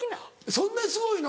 そんなにすごいの？